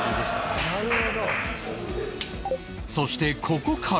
そしてここから